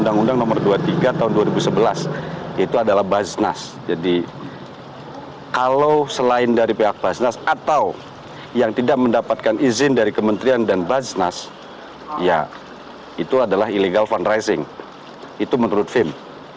kalau selain dari pihak bajnas atau yang tidak mendapatkan izin dari kementerian dan bajnas ya itu adalah illegal fundraising itu menurut fim